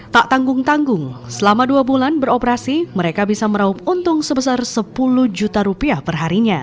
tak tanggung tanggung selama dua bulan beroperasi mereka bisa meraup untung sebesar sepuluh juta rupiah perharinya